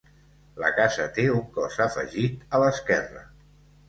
La casa té un cos afegit a l'esquerra.